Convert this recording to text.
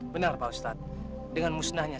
benar pak ustadz dengan musnahnya